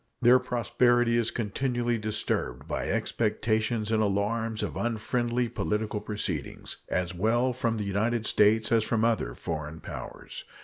Their prosperity is continually disturbed by expectations and alarms of unfriendly political proceedings, as well from the United States as from other foreign powers.